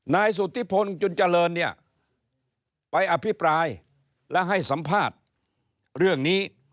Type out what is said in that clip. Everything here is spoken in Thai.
นายสุธิพลจุนเจริญเนี่ยไปอภิปรายและให้สัมภาษณ์เรื่องนี้